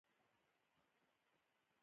دا په اتو سوه میلادي کال کې و